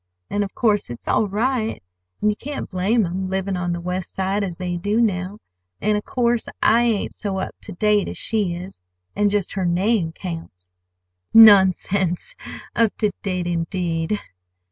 And of course it's all right, and you can't blame 'em, livin' on the West Side, as they do now. And, of course, I ain't so up ter date as she is. And just her name counts." "Nonsense! Up to date, indeed!"